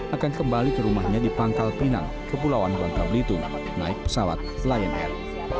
akan kembali ke rumahnya di pangkal pinang kepulauan bangka belitung naik pesawat lion air